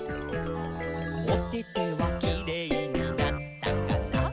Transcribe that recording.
「おててはキレイになったかな？」